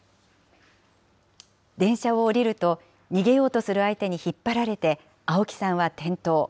電車を降りると逃げようとする相手に引っ張られて青木さんは転倒。